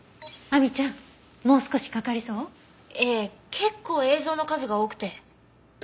結構映像の数が多くて。